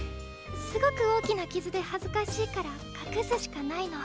すごく大きな傷で恥ずかしいから隠すしかないの。